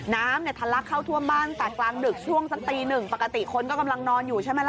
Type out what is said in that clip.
น้ำเนี่ยทะลักเข้าท่วมบ้านแต่กลางดึกช่วงสักตีหนึ่งปกติคนก็กำลังนอนอยู่ใช่ไหมล่ะ